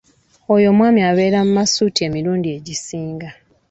Oyo omwami abeera mu masutti emirundi egisinga.